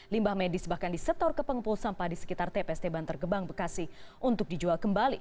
limbah medis bahkan disetor ke pengumpul sampah di sekitar tpst bantar gebang bekasi untuk dijual kembali